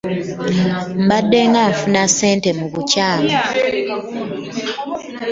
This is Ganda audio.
Mbaddenga nfuna ssente mu bukyamu.